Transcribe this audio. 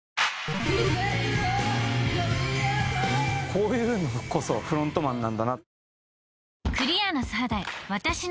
こういうのこそフロントマンなんだな。